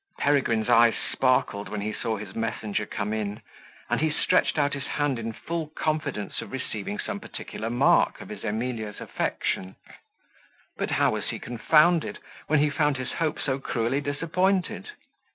Peregrine's eyes sparkled when he saw his messenger come in, and he stretched out his hand in full confidence of receiving some particular mark of his Emilia's affection; but how was he confounded, when he found his hope so cruelly disappointed!